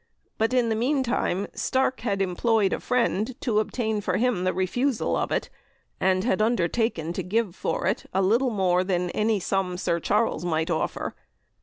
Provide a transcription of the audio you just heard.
But in the meantime, Stark had employed a friend to obtain for him the refusal of it, and had undertaken to give for it a little more than any sum Sir Charles might offer.